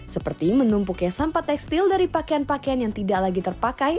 seperti menumpuknya sampah tekstil dari pakaian pakaian yang tidak lagi terpakai